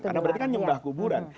karena berarti kan nyembah kuburan